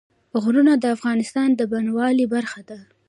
غرونه د افغانستان د بڼوالۍ برخه ده.